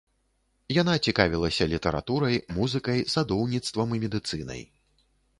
Яна цікавілася літаратурай, музыкай, садоўніцтвам і медыцынай.